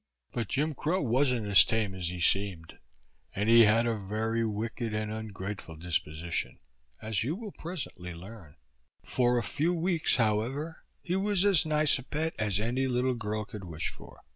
But Jim Crow wasn't as tame as he seemed, and he had a very wicked and ungrateful disposition, as you will presently learn. For a few weeks, however, he was as nice a pet as any little girl could wish for.